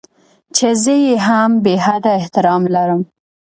چې زه يې هم بې حده احترام لرم.